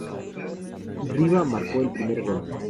Riva marcó el primer gol.